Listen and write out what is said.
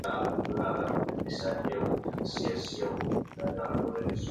د موضوع مخینه باید تل په پام کې ونیول سي.